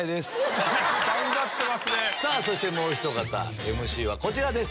そしてもうひと方ＭＣはこちらです。